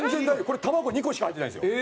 これ卵２個しか入ってないんですよ。